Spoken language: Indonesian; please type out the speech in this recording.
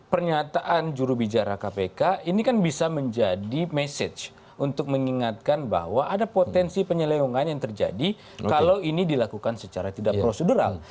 pernyataan jurubicara kpk ini kan bisa menjadi message untuk mengingatkan bahwa ada potensi penyelewengan yang terjadi kalau ini dilakukan secara tidak prosedural